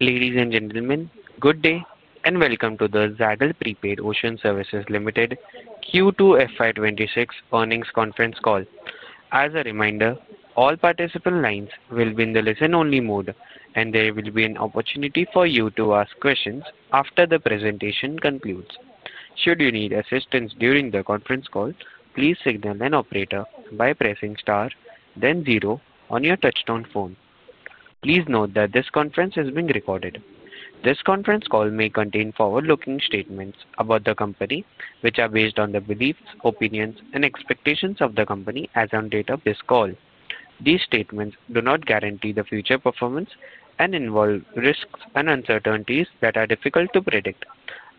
Ladies and gentlemen, good day and welcome to the Zaggle Prepaid Ocean Services Limited Q2 FY26 earnings conference call. As a reminder, all participant lines will be in the listen-only mode, and there will be an opportunity for you to ask questions after the presentation concludes. Should you need assistance during the conference call, please signal an operator by pressing star, then zero on your touchstone phone. Please note that this conference is being recorded. This conference call may contain forward-looking statements about the company, which are based on the beliefs, opinions, and expectations of the company as of date of this call. These statements do not guarantee the future performance and involve risks and uncertainties that are difficult to predict.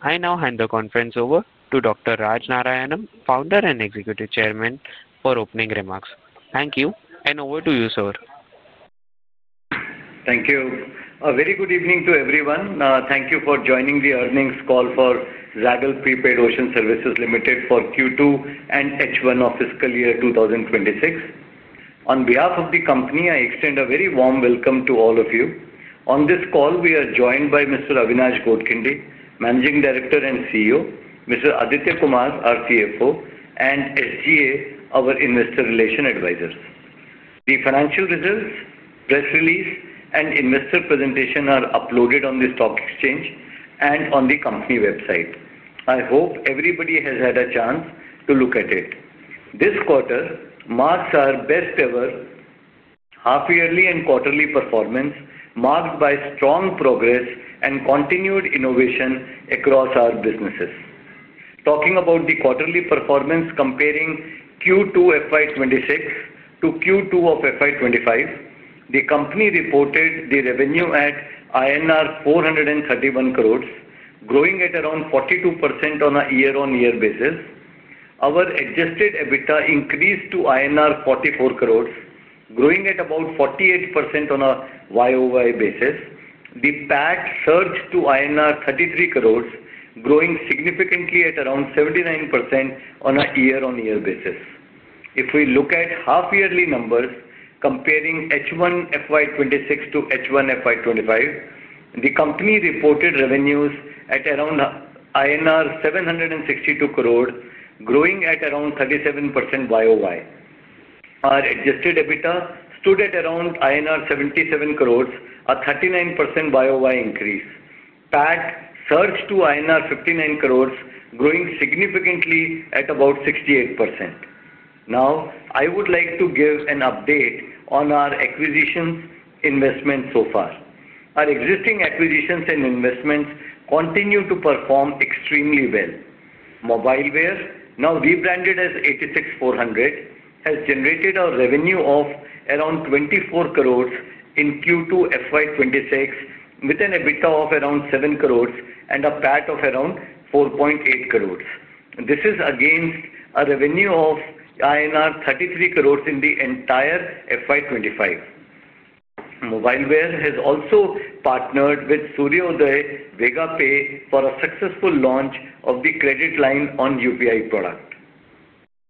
I now hand the conference over to Dr. Raj Narayanam, Founder and Executive Chairman, for opening remarks. Thank you, and over to you, sir. Thank you. A very good evening to everyone. Thank you for joining the earnings call for Zaggle Prepaid Ocean Services Limited for Q2 and H1 of fiscal year 2026. On behalf of the company, I extend a very warm welcome to all of you. On this call, we are joined by Mr. Avinash Godkhindi, Managing Director and CEO, Mr. Aditya Kumar, our CFO, and SGA, our Investor Relation Advisors. The financial results, press release, and investor presentation are uploaded on the stock exchange and on the company website. I hope everybody has had a chance to look at it. This quarter marks our best-ever half-yearly and quarterly performance, marked by strong progress and continued innovation across our businesses. Talking about the quarterly performance, comparing Q2 FY26 to Q2 of FY25, the company reported the revenue at INR 431 crores, growing at around 42% on a year-on-year basis. Our adjusted EBITDA increased to INR 44 crores, growing at about 48% on a YoY basis. The PAT surged to INR 33 crores, growing significantly at around 79% on a year-on-year basis. If we look at half-yearly numbers, comparing H1 FY2026 to H1 FY2025, the company reported revenues at around INR 762 crores, growing at around 37% YoY. Our adjusted EBITDA stood at around INR 77 crores, a 39% YoY increase. PAT surged to INR 59 crores, growing significantly at about 68%. Now, I would like to give an update on our acquisitions investments so far. Our existing acquisitions and investments continue to perform extremely well. Mobileware, now rebranded as 86400, has generated a revenue of around 24 crores in Q2 FY2026, with an EBITDA of around 7 crores and a PAT of around 4.8 crores. This is against a revenue of INR 33 crores in the entire FY2025. Mobileware has also partnered with Suryoday Vega Pay for a successful launch of the credit line on UPI product.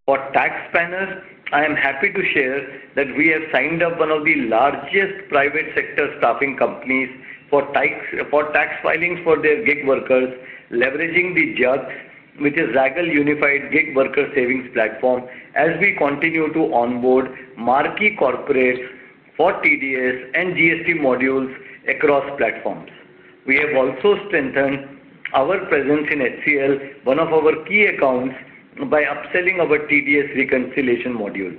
For taxpayers, I am happy to share that we have signed up one of the largest private sector staffing companies for tax filings for their gig workers, leveraging the ZUGS, which is Zaggle Unified Gig Worker Savings Platform, as we continue to onboard marquee corporates for TDS and GST modules across platforms. We have also strengthened our presence in HCL, one of our key accounts, by upselling our TDS reconciliation module.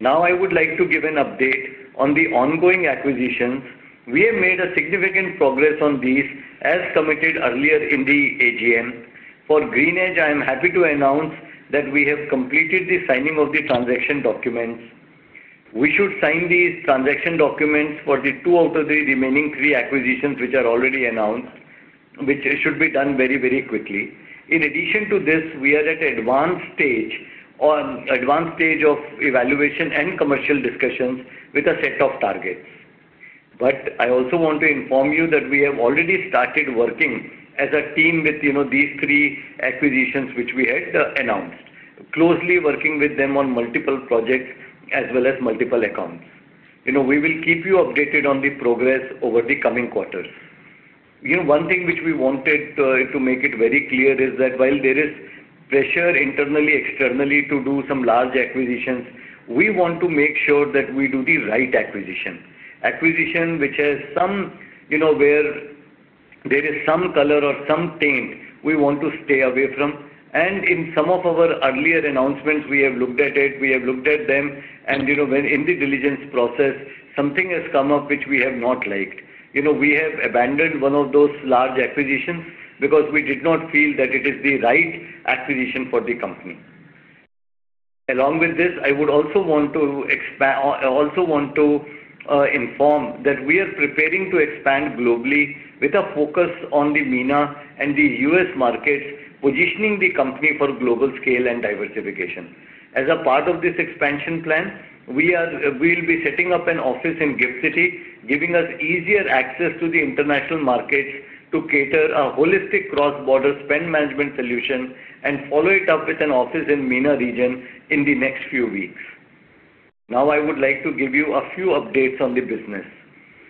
Now, I would like to give an update on the ongoing acquisitions. We have made significant progress on these, as committed earlier in the AGM. For Greenedge, I am happy to announce that we have completed the signing of the transaction documents. We should sign these transaction documents for the two out of the remaining three acquisitions, which are already announced, which should be done very, very quickly. In addition to this, we are at an advanced stage of evaluation and commercial discussions with a set of targets. I also want to inform you that we have already started working as a team with these three acquisitions, which we had announced, closely working with them on multiple projects as well as multiple accounts. We will keep you updated on the progress over the coming quarters. One thing which we wanted to make very clear is that while there is pressure internally, externally to do some large acquisitions, we want to make sure that we do the right acquisition, acquisition where there is some color or some paint we want to stay away from. In some of our earlier announcements, we have looked at it. We have looked at them. In the diligence process, something has come up which we have not liked. We have abandoned one of those large acquisitions because we did not feel that it is the right acquisition for the company. Along with this, I would also want to inform that we are preparing to expand globally with a focus on the MENA and the U.S. markets, positioning the company for global scale and diversification. As a part of this expansion plan, we will be setting up an office in GIFT City, giving us easier access to the international markets to cater a holistic cross-border spend management solution and follow it up with an office in the MENA region in the next few weeks. Now, I would like to give you a few updates on the business.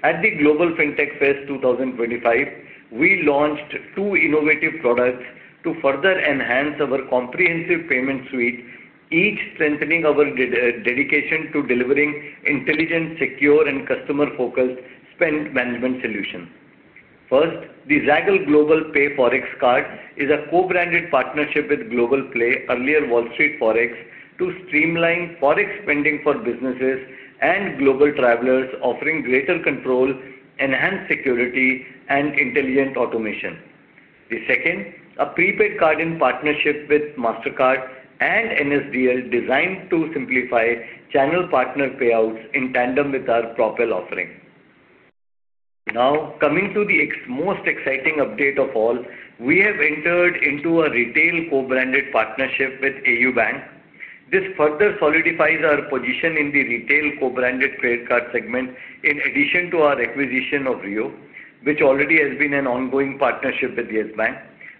At the Global FinTech Fest 2025, we launched two innovative products to further enhance our comprehensive payment suite, each strengthening our dedication to delivering intelligent, secure, and customer-focused spend management solutions. First, the Zaggle Global Pay Forex Card is a co-branded partnership with Global Pay, earlier Wall Street Forex, to streamline forex spending for businesses and global travelers, offering greater control, enhanced security, and intelligent automation. The second, a prepaid card in partnership with Mastercard and NSDL, designed to simplify channel partner payouts in tandem with our Propel offering. Now, coming to the most exciting update of all, we have entered into a retail co-branded partnership with AU Small Finance Bank. This further solidifies our position in the retail co-branded credit card segment, in addition to our acquisition of Rio Money, which already has been an ongoing partnership with Yes Bank.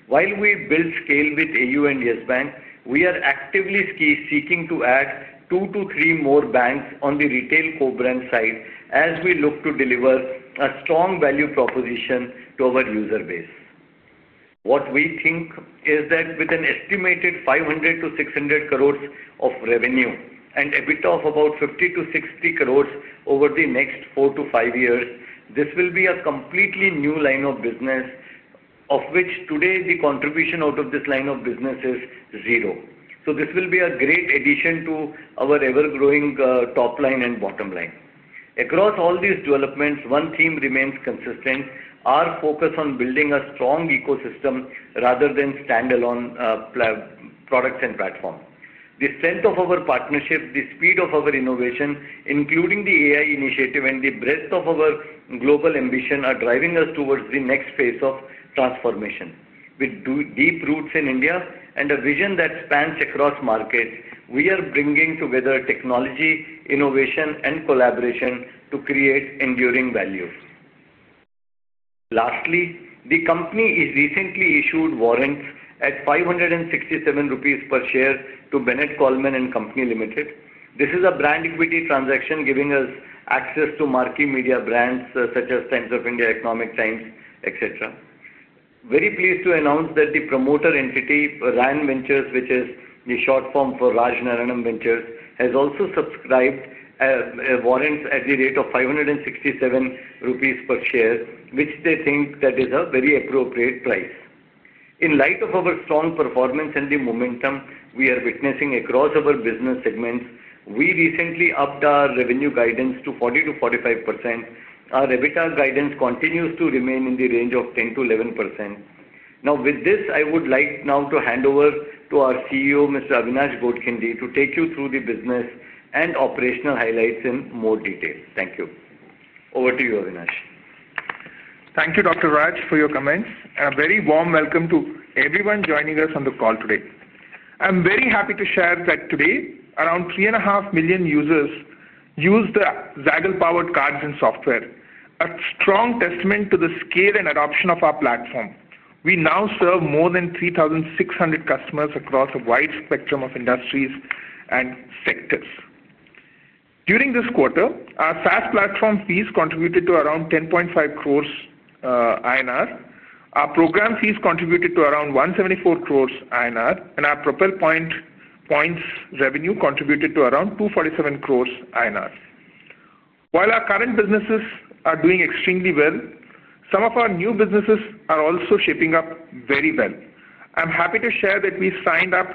While we build scale with AU and Yes Bank, we are actively seeking to add two to three more banks on the retail co-brand side as we look to deliver a strong value proposition to our user base. What we think is that with an estimated 500 crore - 600 crore of revenue and EBITDA of about 50 crore - 60 crore over the next four to five years, this will be a completely new line of business, of which today the contribution out of this line of business is zero. This will be a great addition to our ever-growing top line and bottom line. Across all these developments, one theme remains consistent: our focus on building a strong ecosystem rather than standalone products and platforms. The strength of our partnership, the speed of our innovation, including the AI initiative, and the breadth of our global ambition are driving us towards the next phase of transformation. With deep roots in India and a vision that spans across markets, we are bringing together technology, innovation, and collaboration to create enduring value. Lastly, the company has recently issued warrants at 567 rupees per share to Bennett Coleman and Company Limited. This is a brand equity transaction, giving us access to marquee media brands such as Times of India, Economic Times, etc. Very pleased to announce that the promoter entity, RAN Ventures, which is the short form for Raj Narayanam Ventures, has also subscribed warrants at the rate of 567 rupees per share, which they think that is a very appropriate price. In light of our strong performance and the momentum we are witnessing across our business segments, we recently upped our revenue guidance to 40%-45%. Our EBITDA guidance continues to remain in the range of 10-11%. Now, with this, I would like now to hand over to our CEO, Mr. Avinash Godkhindi, to take you through the business and operational highlights in more detail. Thank you. Over to you, Avinash. Thank you, Dr. Raj, for your comments. A very warm welcome to everyone joining us on the call today. I'm very happy to share that today, around 3.5 million users use the Zaggle-powered cards and software, a strong testament to the scale and adoption of our platform. We now serve more than 3,600 customers across a wide spectrum of industries and sectors. During this quarter, our SaaS platform fees contributed to around 10.5 crores INR. Our program fees contributed to around 174 crores INR, and our Propel points revenue contributed to around 247 crores INR. While our current businesses are doing extremely well, some of our new businesses are also shaping up very well. I'm happy to share that we signed up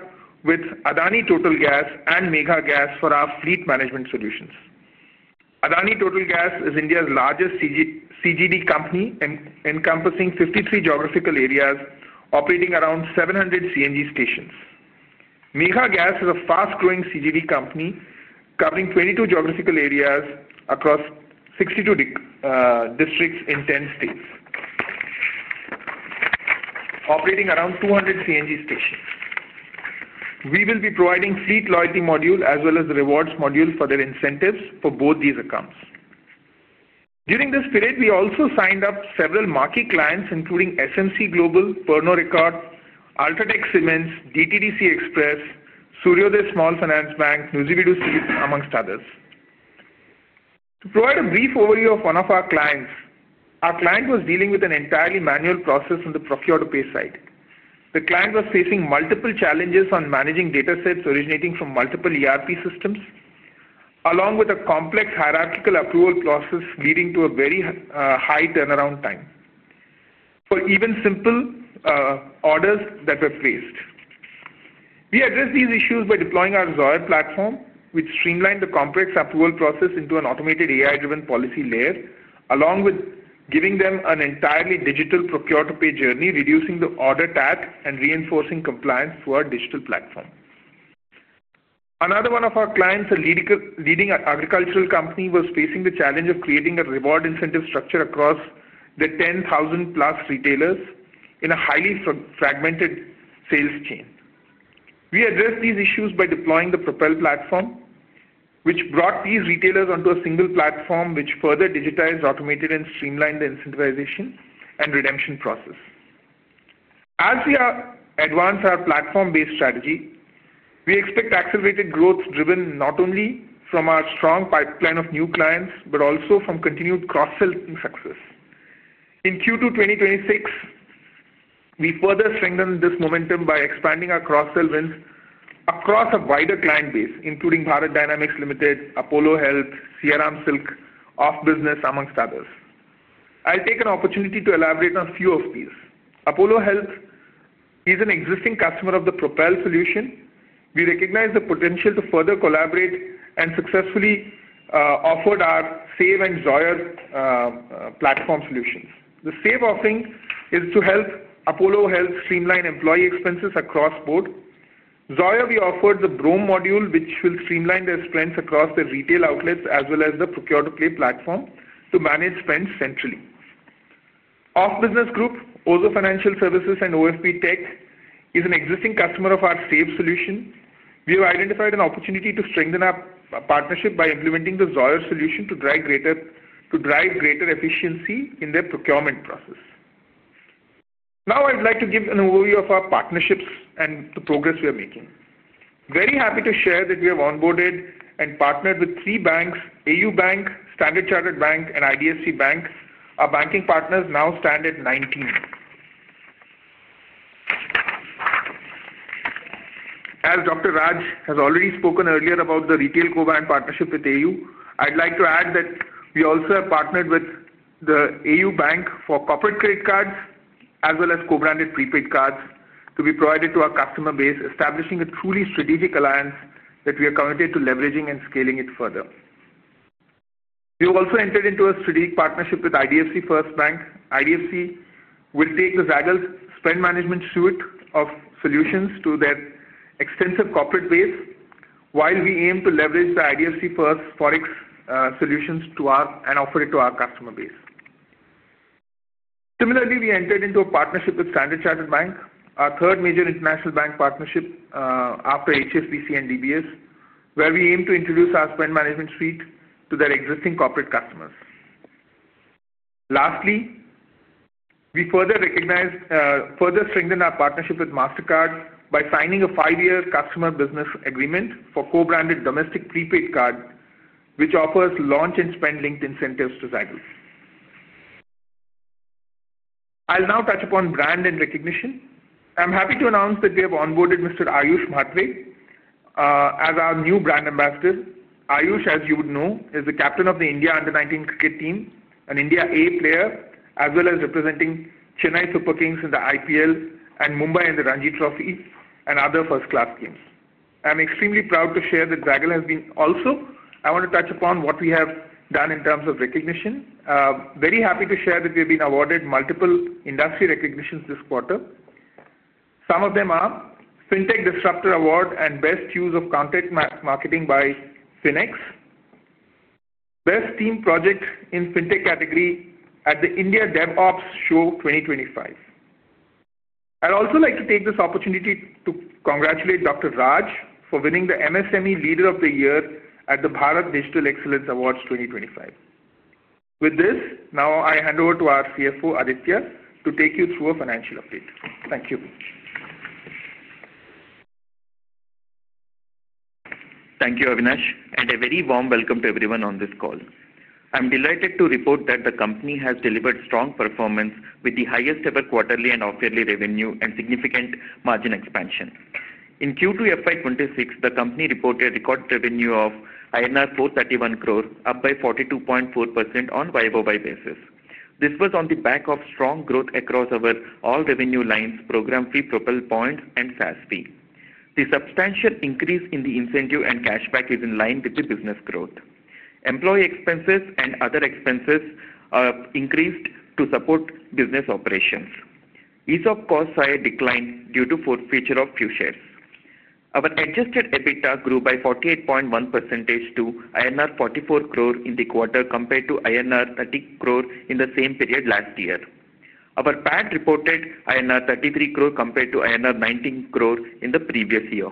with Adani Total Gas and Megha Gas for our fleet management solutions. Adani Total Gas is India's largest CGD company, encompassing 53 geographical areas, operating around 700 CNG stations. Megha Gas is a fast-growing CGD company, covering 22 geographical areas across 62 districts in 10 states, operating around 200 CNG stations. We will be providing fleet loyalty module as well as rewards module for their incentives for both these accounts. During this period, we also signed up several marquee clients, including SMC Global, Pernod Ricard, UltraTech Cement, DTDC Express, Suryoday Small Finance Bank, Nuziveedu Seeds, amongst others. To provide a brief overview of one of our clients, our client was dealing with an entirely manual process on the procure-to-pay side. The client was facing multiple challenges on managing data sets originating from multiple ERP systems, along with a complex hierarchical approval process leading to a very high turnaround time for even simple orders that were placed. We addressed these issues by deploying our Zoyer platform, which streamlined the complex approval process into an automated AI-driven policy layer, along with giving them an entirely digital procure-to-pay journey, reducing the order tax and reinforcing compliance through our digital platform. Another one of our clients, a leading agricultural company, was facing the challenge of creating a reward incentive structure across the 10,000-plus retailers in a highly fragmented sales chain. We addressed these issues by deploying the Propel platform, which brought these retailers onto a single platform, which further digitized, automated, and streamlined the incentivization and redemption process. As we advance our platform-based strategy, we expect accelerated growth driven not only from our strong pipeline of new clients, but also from continued cross-selling success. In Q2 2026, we further strengthened this momentum by expanding our cross-sell wins across a wider client base, including Bharat Dynamics Limited, Apollo Health, Sierra Arms Silk, OfBusiness, amongst others. I'll take an opportunity to elaborate on a few of these. Apollo Health is an existing customer of the Propel solution. We recognize the potential to further collaborate and successfully offered our SAVE and Zoyer platform solutions. The SAVE offering is to help Apollo Health streamline employee expenses across board. Zoyer, we offered the BROME module, which will streamline their sprints across the retail outlets as well as the procure-to-pay platform to manage sprints centrally. OfBusiness Group, Oxyzo Financial Services and OFP Tech is an existing customer of our SAVE solution. We have identified an opportunity to strengthen our partnership by implementing the Zoyer solution to drive greater efficiency in their procurement process. Now, I'd like to give an overview of our partnerships and the progress we are making. Very happy to share that we have onboarded and partnered with three banks: AU Small Finance Bank, Standard Chartered Bank, and IDFC First Bank. Our banking partners now stand at 19. As Dr. Raj has already spoken earlier about the retail co-brand partnership with AU Small Finance Bank, I'd like to add that we also have partnered with AU Small Finance Bank for corporate credit cards as well as co-branded prepaid cards to be provided to our customer base, establishing a truly strategic alliance that we are committed to leveraging and scaling it further. We have also entered into a strategic partnership with IDFC First Bank. IDFC will take the Zaggle spend management suite of solutions to their extensive corporate base while we aim to leverage the IDFC First Forex solutions and offer it to our customer base. Similarly, we entered into a partnership with Standard Chartered Bank, our third major international bank partnership after HSBC and DBS, where we aim to introduce our spend management suite to their existing corporate customers. Lastly, we further strengthened our partnership with Mastercard by signing a five-year customer business agreement for co-branded domestic prepaid card, which offers launch and spend linked incentives to Zaggle. I'll now touch upon brand and recognition. I'm happy to announce that we have onboarded Mr. Ayush Mhatre as our new brand ambassador. Ayush, as you would know, is the captain of the India Under-19 cricket team, an India A player, as well as representing Chennai Super Kings in the IPL and Mumbai in the Ranji Trophy and other first-class teams. I'm extremely proud to share that Zaggle has been also. I want to touch upon what we have done in terms of recognition. Very happy to share that we have been awarded multiple industry recognitions this quarter. Some of them are FinTech Disruptor Award and Best Use of Content Marketing by FINIXX, Best Team Project in FinTech Category at the India DevOps Show 2025. I'd also like to take this opportunity to congratulate Dr. Raj for winning the MSME Leader of the Year at the Bharat Digital Excellence Awards 2025. With this, now I hand over to our CFO, Aditya, to take you through a financial update. Thank you. Thank you, Avinash, and a very warm welcome to everyone on this call. I'm delighted to report that the company has delivered strong performance with the highest-ever quarterly and off-yearly revenue and significant margin expansion. In Q2 FY2026, the company reported record revenue of INR 431 crore, up by 42.4% on a year-over-year basis. This was on the back of strong growth across our all-revenue lines, program fee, Propel Points, and SaaS fee. The substantial increase in the incentive and cashback is in line with the business growth. Employee expenses and other expenses increased to support business operations. Ease of costs are declined due to the forfeiture of few shares. Our adjusted EBITDA grew by 48.1% to INR 44 crore in the quarter compared to INR 30 crore in the same period last year. Our PAT reported INR 33 crore compared to INR 19 crore in the previous year.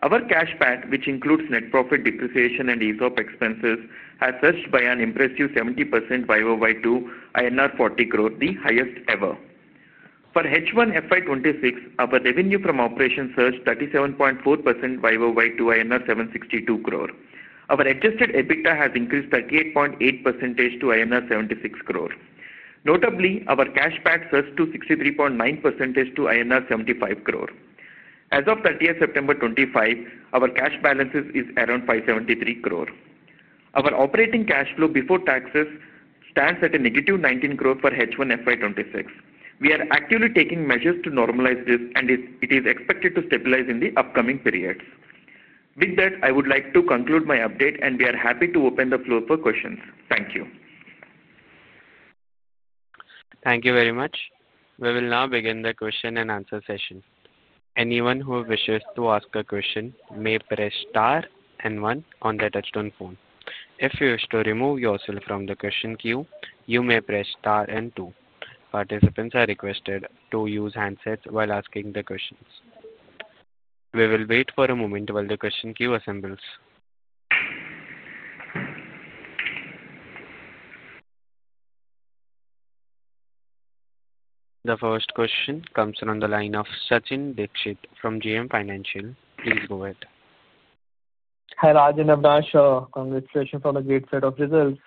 Our cashback, which includes net profit depreciation and ease of expenses, has surged by an impressive 70% year-over-year to INR 40 crore, the highest ever. For H1 FY26, our revenue from operations surged 37.4% year-over-year to 762 crore. Our adjusted EBITDA has increased 38.8% to INR 76 crore. Notably, our cashback surged to 63.9% to INR 75 crore. As of 30 September 2025, our cash balances are around 573 crore. Our operating cash flow before taxes stands at a negative 19 crore for H1 FY26. We are actively taking measures to normalize this, and it is expected to stabilize in the upcoming periods. With that, I would like to conclude my update, and we are happy to open the floor for questions. Thank you. Thank you very much. We will now begin the question and answer session. Anyone who wishes to ask a question may press star and one on the touchstone phone. If you wish to remove yourself from the question queue, you may press star and two. Participants are requested to use handsets while asking the questions. We will wait for a moment while the question queue assembles. The first question comes from the line of Sachin Dixit from JM Financial. Please go ahead. Hi Raj and Avinash. Congratulations on a great set of results.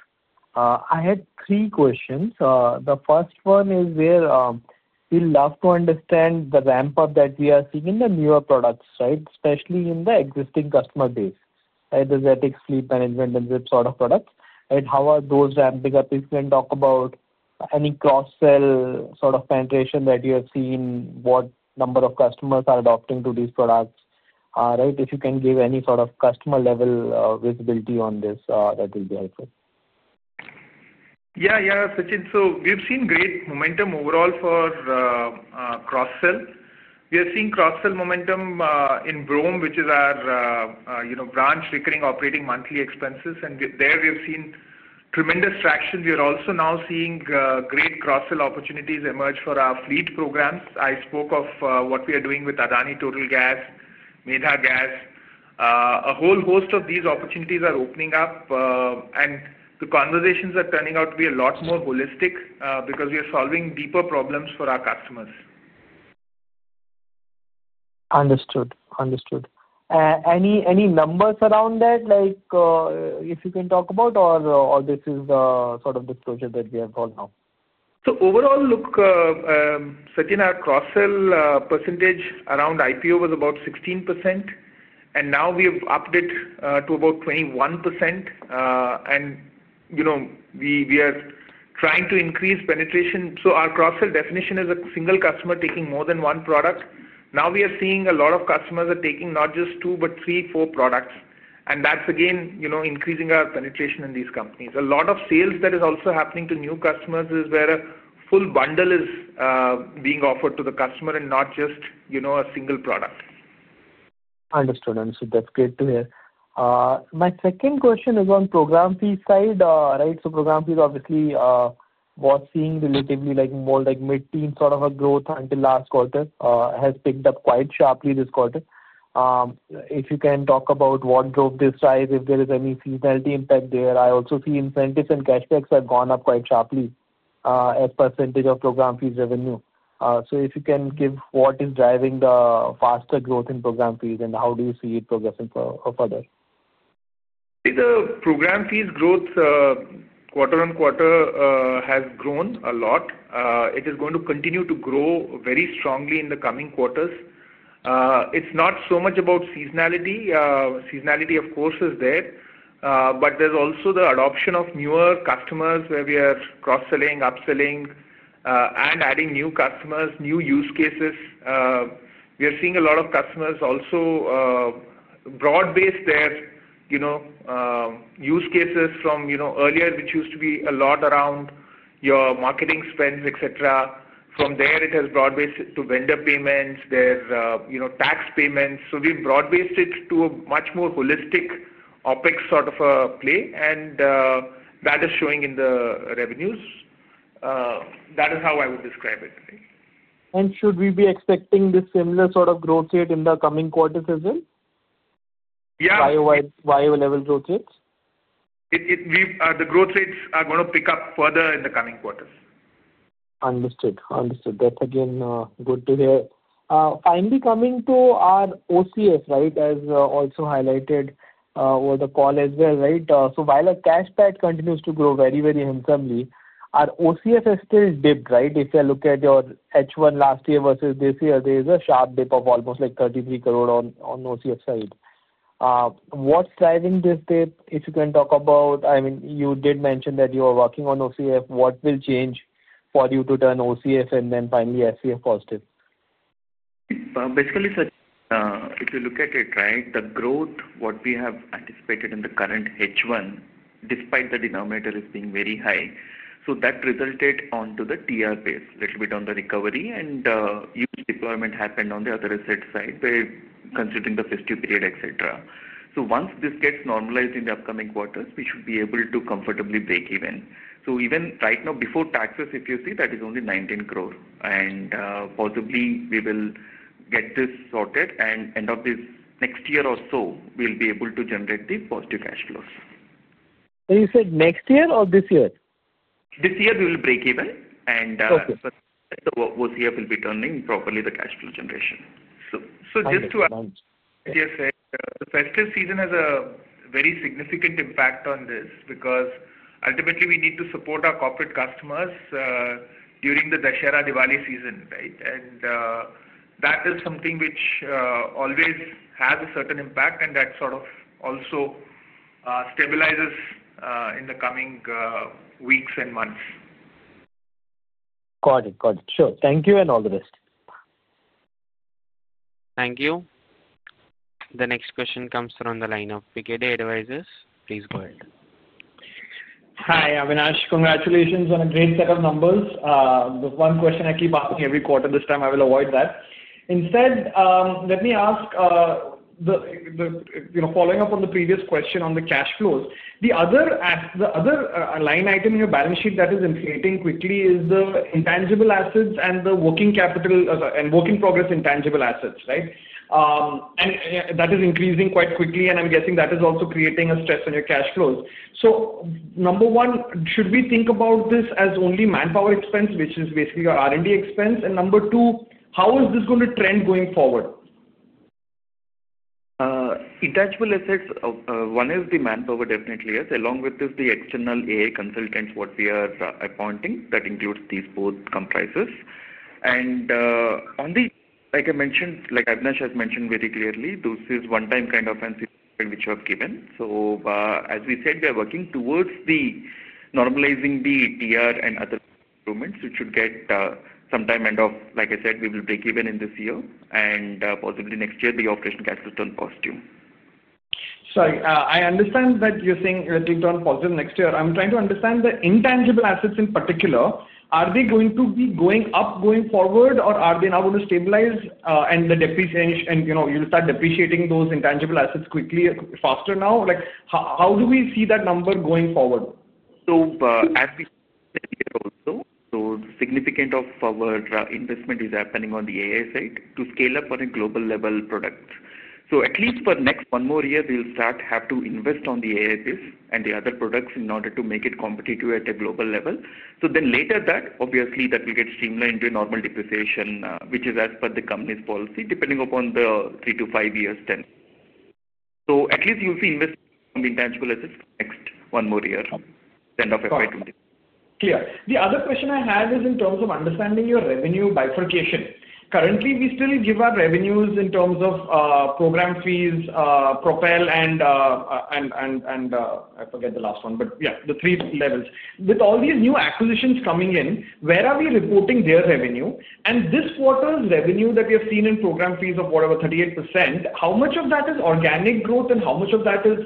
I had three questions. The first one is we would love to understand the ramp-up that we are seeing in the newer products, especially in the existing customer base, either ZatiX Fleet Management and ZIP sort of products. How are those ramping up? If you can talk about any cross-sell sort of penetration that you have seen, what number of customers are adopting these products. If you can give any sort of customer-level visibility on this, that will be helpful. Yeah, yeah, Sachin. We have seen great momentum overall for cross-sell. We are seeing cross-sell momentum in BROME, which is our branch recurring operating monthly expenses. There, we have seen tremendous traction. We are also now seeing great cross-sell opportunities emerge for our fleet programs. I spoke of what we are doing with Adani Total Gas, Megha Gas. A whole host of these opportunities are opening up, and the conversations are turning out to be a lot more holistic because we are solving deeper problems for our customers. Understood. Understood. Any numbers around that? If you can talk about, or this is the sort of disclosure that we have got now? Overall, Sachin, our cross-sell percentage around IPO was about 16%, and now we have upped it to about 21%. We are trying to increase penetration. Our cross-sell definition is a single customer taking more than one product. Now we are seeing a lot of customers are taking not just two, but three, four products. That is, again, increasing our penetration in these companies. A lot of sales that are also happening to new customers is where a full bundle is being offered to the customer and not just a single product. Understood. Understood. That's great to hear. My second question is on program fee side. So program fee obviously was seeing relatively more mid-term sort of a growth until last quarter. It has picked up quite sharply this quarter. If you can talk about what drove this rise, if there is any seasonality impact there. I also see incentives and cashbacks have gone up quite sharply as a percentage of program fee revenue. If you can give what is driving the faster growth in program fees, and how do you see it progressing further? The program fees growth quarter on quarter has grown a lot. It is going to continue to grow very strongly in the coming quarters. It's not so much about seasonality. Seasonality, of course, is there, but there's also the adoption of newer customers where we are cross-selling, upselling, and adding new customers, new use cases. We are seeing a lot of customers also broad-base their use cases from earlier, which used to be a lot around your marketing spend, etc. From there, it has broad-based to vendor payments, their tax payments. We have broad-based it to a much more holistic OPEX sort of a play, and that is showing in the revenues. That is how I would describe it. Should we be expecting this similar sort of growth rate in the coming quarters as well? Yeah. Viable level growth rates? The growth rates are going to pick up further in the coming quarters. Understood. Understood. That's, again, good to hear. Finally coming to our OCF, as also highlighted over the call as well. While cashback continues to grow very, very handsomely, our OCF has still dipped. If you look at your H1 last year versus this year, there is a sharp dip of almost 33 crore on the OCF side. What's driving this dip? If you can talk about, I mean, you did mention that you are working on OCF. What will change for you to turn OCF and then finally FCF positive? Basically, Sachin, if you look at it, the growth, what we have anticipated in the current H1, despite the denominator being very high, that resulted onto the TR base, a little bit on the recovery, and deployment happened on the other asset side by considering the fiscal period, etc. Once this gets normalized in the upcoming quarters, we should be able to comfortably break even. Even right now, before taxes, if you see, that is only 19 crore. Possibly we will get this sorted, and end of this next year or so, we'll be able to generate the positive cash flows. You said next year or this year? This year, we will break even, and OCF will be turning properly the cash flow generation. Just to. Months. Yes, the fiscal season has a very significant impact on this because ultimately we need to support our corporate customers during the Dashera Diwali season. That is something which always has a certain impact, and that sort of also stabilizes in the coming weeks and months. Got it. Got it. Sure. Thank you and all the best. Thank you. The next question comes from the line of PKD Advisors. Please go ahead. Hi, Avinash. Congratulations on a great set of numbers. The one question I keep asking every quarter, this time I will avoid that. Instead, let me ask following up on the previous question on the cash flows. The other line item in your balance sheet that is inflating quickly is the intangible assets and the working progress intangible assets. That is increasing quite quickly, and I'm guessing that is also creating a stress on your cash flows. Number one, should we think about this as only manpower expense, which is basically your R&D expense? Number two, how is this going to trend going forward? Intangible assets, one is the manpower, definitely. Along with this, the external AI consultants, what we are appointing, that includes these both comprises. Like I mentioned, like Avinash has mentioned very clearly, this is one-time kind of ancillary which we have given. As we said, we are working towards normalizing the TR and other improvements, which should get some time end of, like I said, we will break even in this year. Possibly next year, the operation gets returned positive. Sorry. I understand that you're saying you're getting returned positive next year. I'm trying to understand the intangible assets in particular. Are they going to be going up going forward, or are they now going to stabilize and you'll start depreciating those intangible assets quickly, faster now? How do we see that number going forward? As we said here also, the significance of our investment is happening on the AI side to scale up on a global level product. At least for the next one more year, we'll start to have to invest on the AI piece and the other products in order to make it competitive at a global level. Later, that will get streamlined to a normal depreciation, which is as per the company's policy, depending upon the three- to five-year term. At least you'll see investment in intangible assets next one more year, end of FY2026. Clear. The other question I have is in terms of understanding your revenue bifurcation. Currently, we still give our revenues in terms of program fees, Propel, and I forget the last one, but yeah, the three levels. With all these new acquisitions coming in, where are we reporting their revenue? And this quarter's revenue that we have seen in program fees of whatever, 38%, how much of that is organic growth, and how much of that is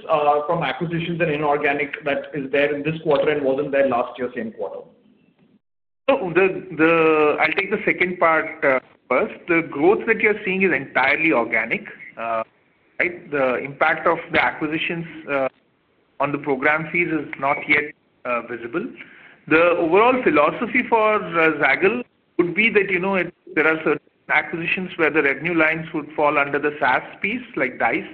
from acquisitions and inorganic that is there in this quarter and was not there last year, same quarter? I'll take the second part first. The growth that you're seeing is entirely organic. The impact of the acquisitions on the program fees is not yet visible. The overall philosophy for Zaggle would be that there are certain acquisitions where the revenue lines would fall under the SaaS piece, like Dice.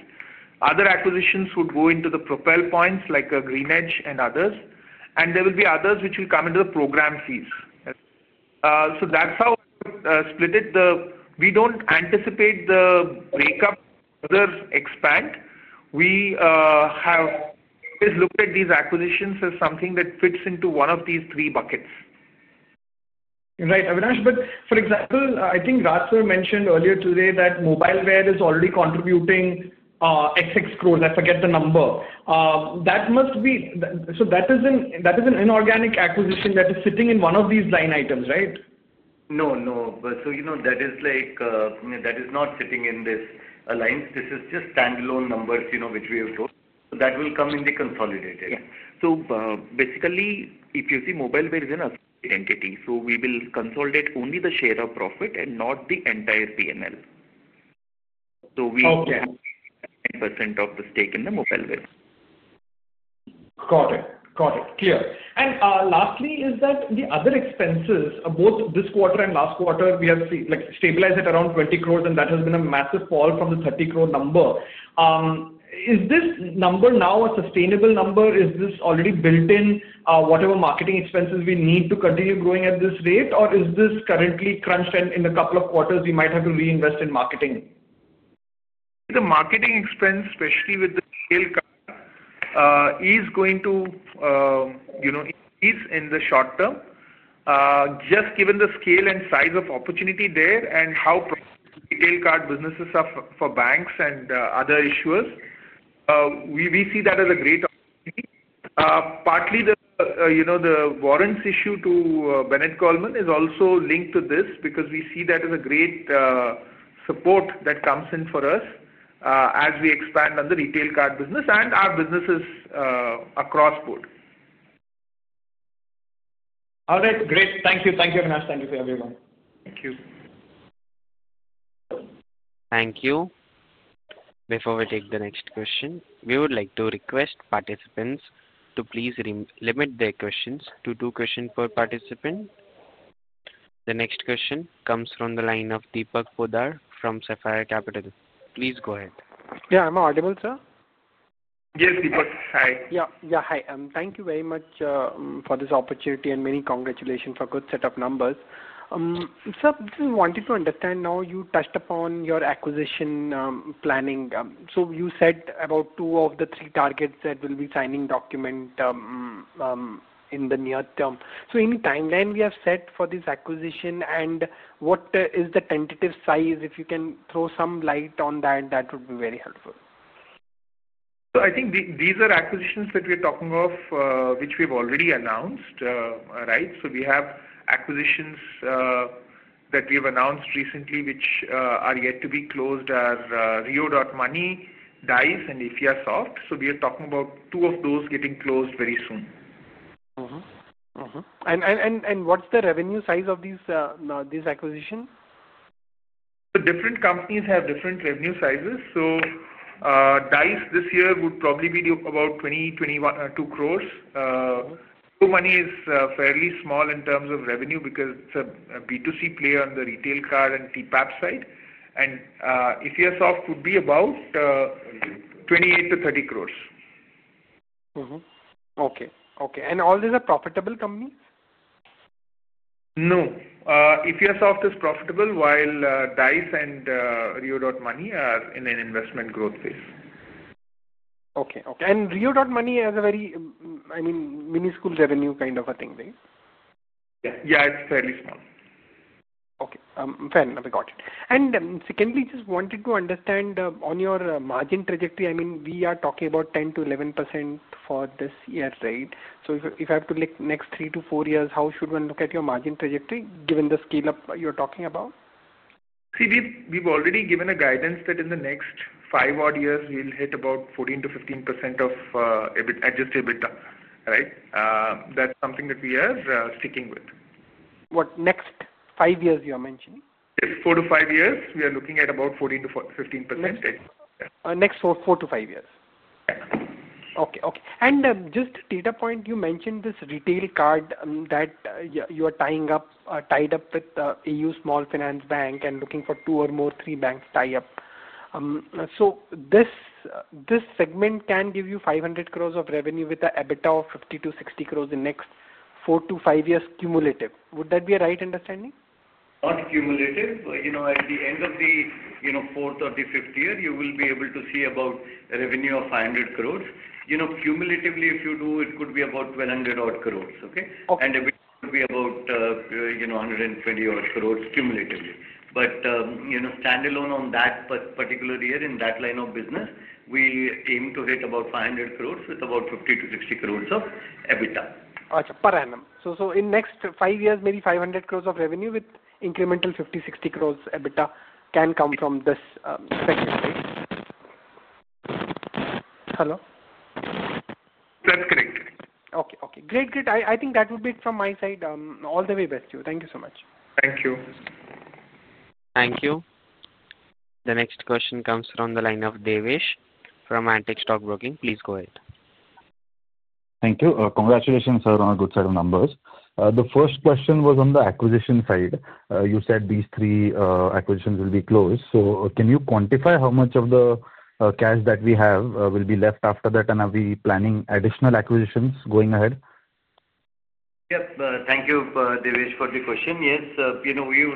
Other acquisitions would go into the Propel points, like Greenedge and others. There will be others which will come into the program fees. That's how we split it. We don't anticipate the breakup or expand. We have always looked at these acquisitions as something that fits into one of these three buckets. Right, Avinash. For example, I think Raj mentioned earlier today that Mobileware is already contributing xx crores. I forget the number. That must be, so that is an inorganic acquisition that is sitting in one of these line items, right? No, no. That is not sitting in this line. This is just standalone numbers which we have told. That will come in the consolidated. Basically, if you see Mobileware is an identity. We will consolidate only the share of profit and not the entire P&L. We have 10% of the stake in Mobileware. Got it. Got it. Clear. Lastly, is that the other expenses, both this quarter and last quarter, we have stabilized at around 20 crore, and that has been a massive fall from the 30 crore number. Is this number now a sustainable number? Is this already built-in whatever marketing expenses we need to continue growing at this rate, or is this currently crunched in a couple of quarters? We might have to reinvest in marketing. The marketing expense, especially with the retail card, is going to increase in the short term, just given the scale and size of opportunity there and how retail card businesses are for banks and other issuers. We see that as a great opportunity. Partly, the warrants issue to Bennett Coleman and Company Limited is also linked to this because we see that as a great support that comes in for us as we expand on the retail card business and our businesses across board. All right. Great. Thank you. Thank you, Avinash. Thank you for everyone. Thank you. Thank you. Before we take the next question, we would like to request participants to please limit their questions to two questions per participant. The next question comes from the line of Deepak Pudar from Sapphire Capital. Please go ahead. Yeah, I'm audible, sir? Yes, Deepak. Hi. Yeah. Yeah. Hi. Thank you very much for this opportunity and many congratulations for good set of numbers. Sir, I wanted to understand now you touched upon your acquisition planning. You said about two of the three targets that will be signing document in the near term. Any timeline we have set for this acquisition, and what is the tentative size? If you can throw some light on that, that would be very helpful. I think these are acquisitions that we are talking of, which we've already announced. We have acquisitions that we have announced recently which are yet to be closed: Rio Money, Dice, and EffiaSoft. We are talking about two of those getting closed very soon. What is the revenue size of these acquisitions? The different companies have different revenue sizes. Dice this year would probably be about 20 crores - INR 21.2 crores. Rio Money is fairly small in terms of revenue because it is a B2C player on the retail card and TPAP side. EffiaSoft would be about 28 crores - 30 crores. Okay. Okay. And all these are profitable companies? No. EffiaSoft is profitable while Dice and Rio Money are in an investment growth phase. Okay. Okay. And Rio Money has a very, I mean, minuscule revenue kind of a thing, right? Yeah. It's fairly small. Okay. Fine, I got it. Secondly, just wanted to understand on your margin trajectory. I mean, we are talking about 10%-11% for this year, right? If I have to look next three to four years, how should one look at your margin trajectory given the scale-up you're talking about? See, we've already given a guidance that in the next five-odd years, we'll hit about 14%-15% of adjusted EBITDA. That's something that we are sticking with. What next five years you are mentioning? Yes. Four to five years, we are looking at about 14%-15%. Next four to five years. Yeah. Okay. Okay. And just data point, you mentioned this retail card that you are tied up with AU Small Finance Bank and looking for two or more three banks tie up. This segment can give you 500 crore of revenue with an EBITDA of 50 crore - 60 crore in next four to five years cumulative. Would that be a right understanding? Not cumulative. At the end of the fourth or the fifth year, you will be able to see about a revenue of 500 crore. Cumulatively, if you do, it could be about 1,200 crore. EBITDA could be about 120 crore cumulatively. Standalone on that particular year in that line of business, we aim to hit about 500 crore with about 50 crore - 60 crore of EBITDA. Gotcha. Per annum. In the next five years, maybe 500 crore of revenue with incremental 50 crore - 60 crore EBITDA can come from this segment, right? Hello? That's correct. Okay. Okay. Great. Great. I think that would be it from my side. All the very best to you. Thank you so much. Thank you. Thank you. The next question comes from the line of Devesh from Antique Stock Broking. Please go ahead. Thank you. Congratulations, sir, on a good set of numbers. The first question was on the acquisition side. You said these three acquisitions will be closed. Can you quantify how much of the cash that we have will be left after that? Are we planning additional acquisitions going ahead? Yes. Thank you, Devesh, for the question. Yes. We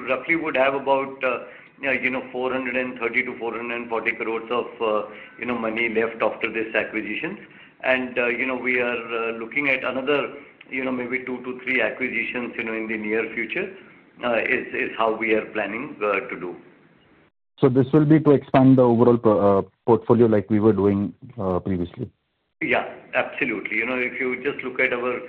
roughly would have about 430 crore -440 crore of money left after this acquisition. We are looking at another maybe two to three acquisitions in the near future is how we are planning to do. This will be to expand the overall portfolio like we were doing previously? Yeah. Absolutely. If you just look at our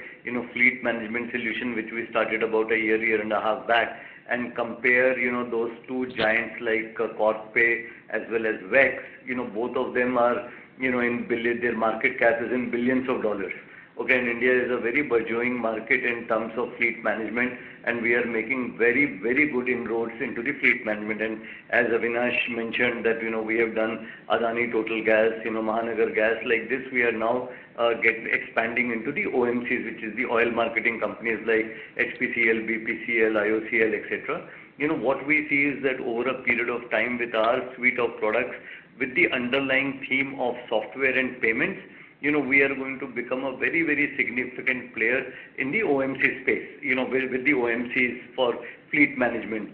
fleet management solution, which we started about a year, year and a half back, and compare those to giants like Corpay as well as WEX, both of them, their market cap is in billions of dollars. India is a very burgeoning market in terms of fleet management, and we are making very, very good inroads into the fleet management. As Avinash mentioned, we have done Adani Total Gas, Mahanagar Gas. Like this, we are now expanding into the OMCs, which is the oil marketing companies like HPCL, BPCL, IOCL, etc. What we see is that over a period of time with our suite of products, with the underlying theme of software and payments, we are going to become a very, very significant player in the OMC space with the OMCs for fleet management.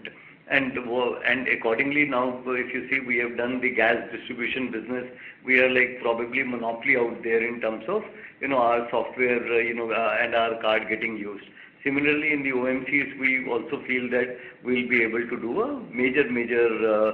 Accordingly, now, if you see, we have done the gas distribution business. We are probably monopoly out there in terms of our software and our card getting used. Similarly, in the OMCs, we also feel that we'll be able to do a major, major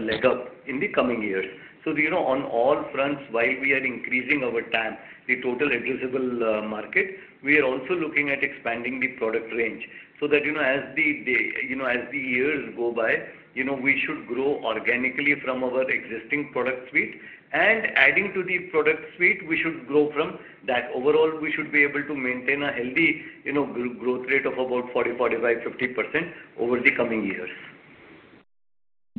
leg up in the coming years. On all fronts, while we are increasing over time the total addressable market, we are also looking at expanding the product range so that as the years go by, we should grow organically from our existing product suite. Adding to the product suite, we should grow from that overall, we should be able to maintain a healthy growth rate of about 40%-45%-50% over the coming years.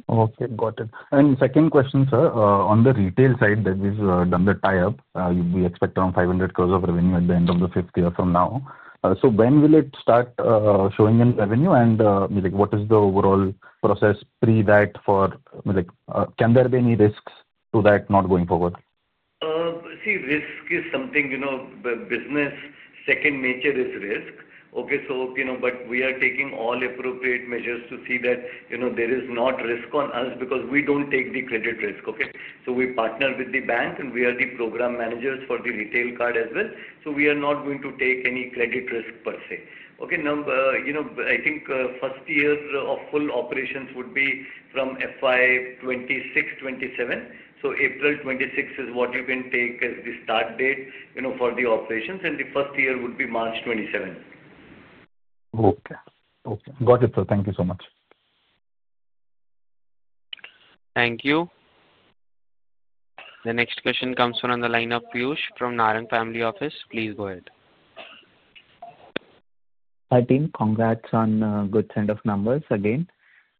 Okay. Got it. Second question, sir, on the retail side that we've done the tie-up, we expect around 500 crore of revenue at the end of the fifth year from now. When will it start showing in revenue? What is the overall process before that, and can there be any risks to that not going forward? See, risk is something business. Second nature is risk. Okay. We are taking all appropriate measures to see that there is not risk on us because we do not take the credit risk. We partner with the bank, and we are the program managers for the retail card as well. We are not going to take any credit risk per se. I think first year of full operations would be from FY 2026-2027. April 2026 is what you can take as the start date for the operations. The first year would be March 2027. Okay. Okay. Got it, sir. Thank you so much. Thank you. The next question comes from the line of Piyush from Narang Family Office. Please go ahead. Thirteen. Congrats on good set of numbers again.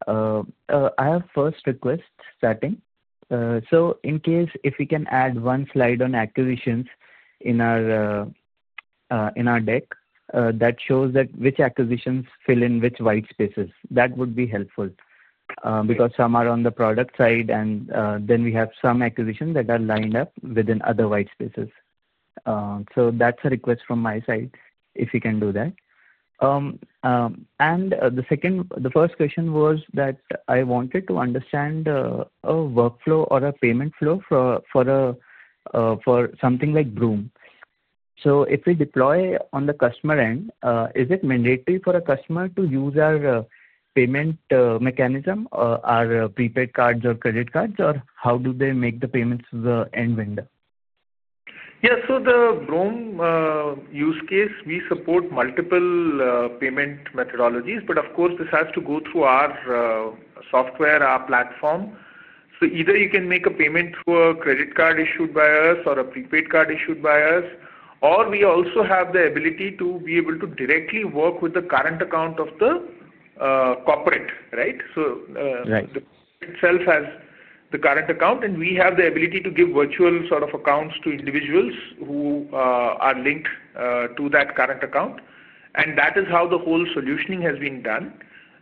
I have first request starting. In case if we can add one slide on acquisitions in our deck that shows that which acquisitions fill in which white spaces. That would be helpful because some are on the product side, and then we have some acquisitions that are lined up within other white spaces. That is a request from my side if you can do that. The first question was that I wanted to understand a workflow or a payment flow for something like BROME. If we deploy on the customer end, is it mandatory for a customer to use our payment mechanism, our prepaid cards or credit cards, or how do they make the payments to the end vendor? Yeah. So the BROME use case, we support multiple payment methodologies, but of course, this has to go through our software, our platform. Either you can make a payment through a credit card issued by us or a prepaid card issued by us, or we also have the ability to be able to directly work with the current account of the corporate, right? The corporate itself has the current account, and we have the ability to give virtual sort of accounts to individuals who are linked to that current account. That is how the whole solutioning has been done.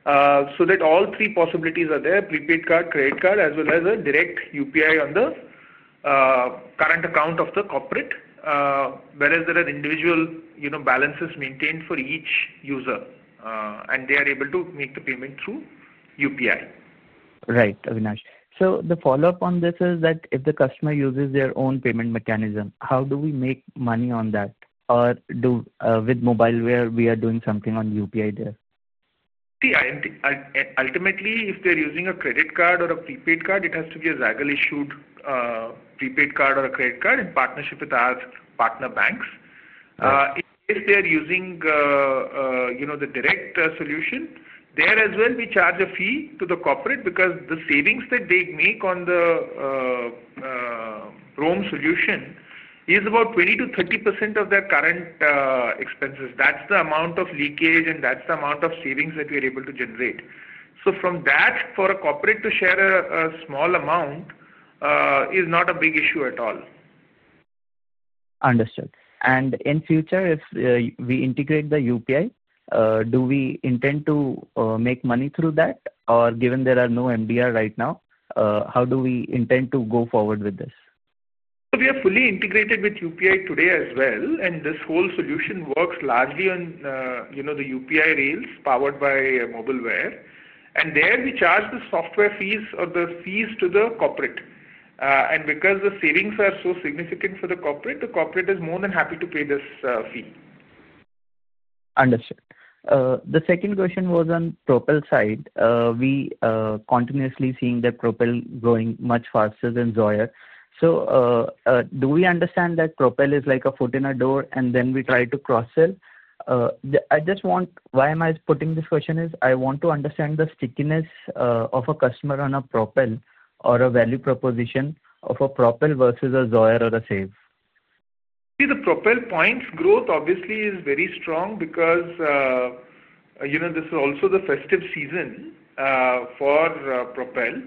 All three possibilities are there: prepaid card, credit card, as well as a direct UPI on the current account of the corporate, whereas there are individual balances maintained for each user, and they are able to make the payment through UPI. Right, Avinash. The follow-up on this is that if the customer uses their own payment mechanism, how do we make money on that? Or with Mobileware, are we doing something on UPI there? See, ultimately, if they're using a credit card or a prepaid card, it has to be a Zaggle-issued prepaid card or a credit card in partnership with our partner banks. If they're using the direct solution, there as well, we charge a fee to the corporate because the savings that they make on the BROME solution is about 20% - 30% of their current expenses. That's the amount of leakage, and that's the amount of savings that we are able to generate. From that, for a corporate to share a small amount is not a big issue at all. Understood. In future, if we integrate the UPI, do we intend to make money through that? Or given there are no MDR right now, how do we intend to go forward with this? We are fully integrated with UPI today as well. This whole solution works largely on the UPI rails powered by 86400. There, we charge the software fees or the fees to the corporate. Because the savings are so significant for the corporate, the corporate is more than happy to pay this fee. Understood. The second question was on Propel side. We are continuously seeing that Propel growing much faster than Zoyer. Do we understand that Propel is like a foot in the door and then we try to cross-sell? Why am I putting this question is I want to understand the stickiness of a customer on a Propel or a value proposition of a Propel versus a Zoyer or a SAVE. See, the Propel points growth obviously is very strong because this is also the festive season for Propel.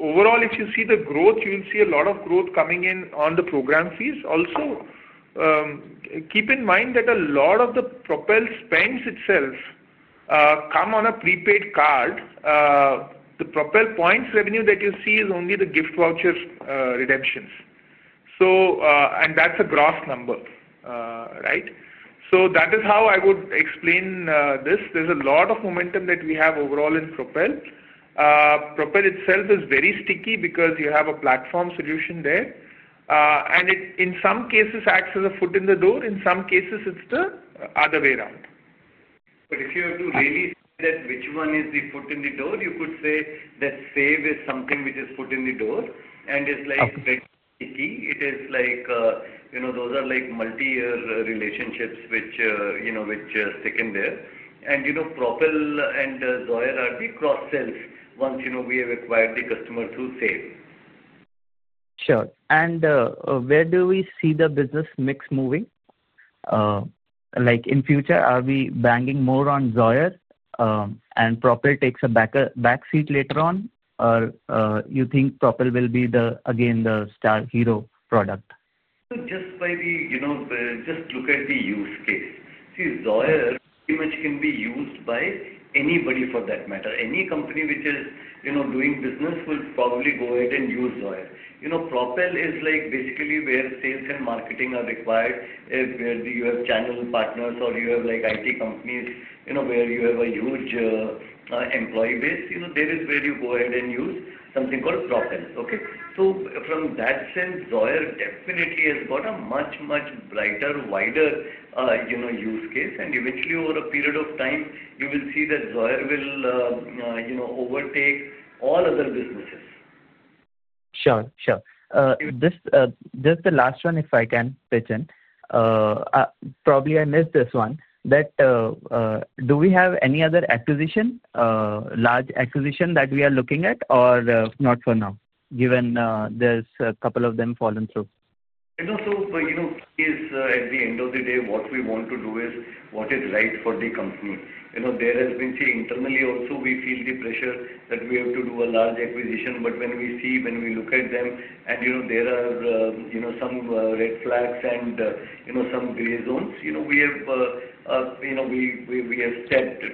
Overall, if you see the growth, you will see a lot of growth coming in on the program fees. Also, keep in mind that a lot of the Propel spends itself come on a prepaid card. The Propel points revenue that you see is only the gift voucher redemptions. And that's a gross number, right? That is how I would explain this. There's a lot of momentum that we have overall in Propel. Propel itself is very sticky because you have a platform solution there. In some cases, it acts as a foot in the door. In some cases, it's the other way around. If you have to really say that which one is the foot in the door, you could say that SAVE is something which is foot in the door. It is like sticky. It is like those are multi-year relationships which stick in there. Propel and Zoyer are the cross-sells once we have acquired the customer through SAVE. Sure. Where do we see the business mix moving? In future, are we banging more on Zoyer, and Propel takes a back seat later on? Or you think Propel will be again the star hero product? Just by the just look at the use case. See, Zoyer, pretty much can be used by anybody for that matter. Any company which is doing business will probably go ahead and use Zoyer. Propel is basically where sales and marketing are required, where you have channel partners or you have IT companies where you have a huge employee base. There is where you go ahead and use something called Propel. Okay. From that sense, Zoyer definitely has got a much, much brighter, wider use case. Eventually, over a period of time, you will see that Zoyer will overtake all other businesses. Sure. Sure. Just the last one, if I can pitch in. Probably I missed this one. Do we have any other acquisition, large acquisition that we are looking at, or not for now, given there is a couple of them fallen through? No. At the end of the day, what we want to do is what is right for the company. There has been internally also we feel the pressure that we have to do a large acquisition. When we look at them, and there are some red flags and some gray zones, we have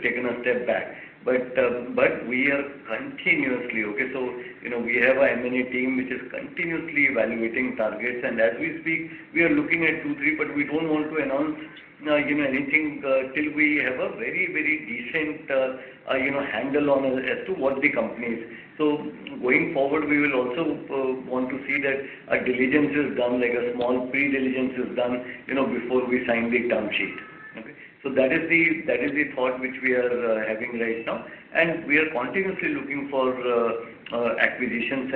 taken a step back. We are continuously okay. We have an M&A team which is continuously evaluating targets. As we speak, we are looking at two, three, but we do not want to announce anything till we have a very, very decent handle on as to what the company is. Going forward, we will also want to see that a diligence is done, like a small pre-diligence is done before we sign the term sheet. That is the thought which we are having right now. We are continuously looking for acquisitions,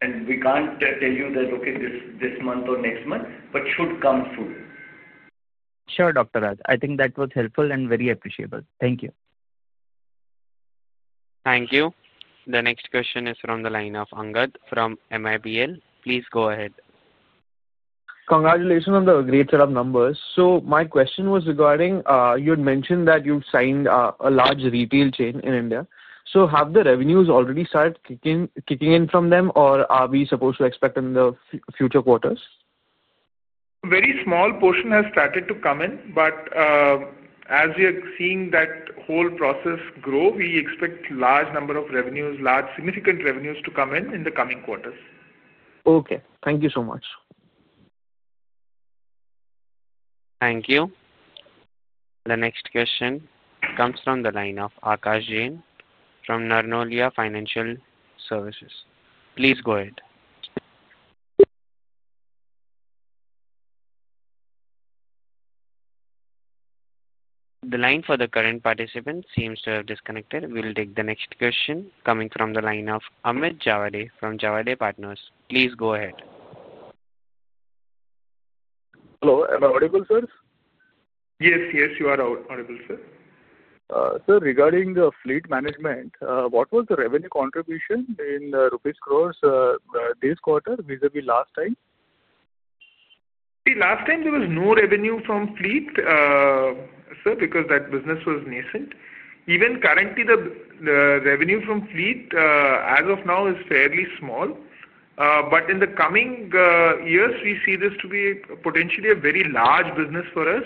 and we can't tell you that, okay, this month or next month, but should come soon. Sure, Raj. I think that was helpful and very appreciable. Thank you. Thank you. The next question is from the line of Angad from MIBL. Please go ahead. Congratulations on the great set of numbers. My question was regarding you had mentioned that you've signed a large retail chain in India. Have the revenues already started kicking in from them, or are we supposed to expect in the future quarters? Very small portion has started to come in, but as we are seeing that whole process grow, we expect large number of revenues, large significant revenues to come in the coming quarters. Okay. Thank you so much. Thank you. The next question comes from the line of Akash Jain from Narnolia Financial Services. Please go ahead. The line for the current participant seems to have disconnected. We'll take the next question coming from the line of Amit Javade from Javade Partners. Please go ahead. Hello. Am I audible, sir? Yes. Yes, you are audible, sir. Sir, regarding the fleet management, what was the revenue contribution in rupee crores this quarter vis-à-vis last time? See, last time there was no revenue from fleet, sir, because that business was nascent. Even currently, the revenue from fleet as of now is fairly small. In the coming years, we see this to be potentially a very large business for us.